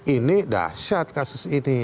ini dahsyat kasus ini